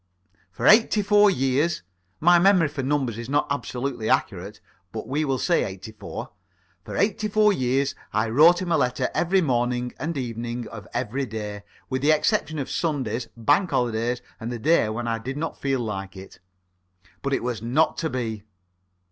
For eighty four years my memory for numbers is not absolutely accurate, but we will say eighty four for eighty four years I wrote him a letter every morning and evening of every day, with the exception of Sundays, bank holidays, and the days when I did not feel like it. But it was not to be.